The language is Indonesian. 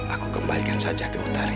aku kembalikan saja ke utari